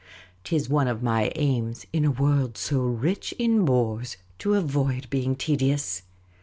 'T is one of my aims in a world so rich in bores to avoid being tedious.